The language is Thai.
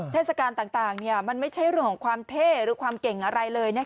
เทศกาลต่างมันไม่ใช่เรื่องของความเท่หรือความเก่งอะไรเลย